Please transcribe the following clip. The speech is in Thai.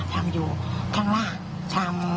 ทำอยู่ข้างล่างทำ